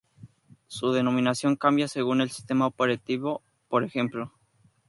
Su denominación cambia según el sistema operativo, por ej.